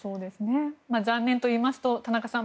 残念といいますと田中さん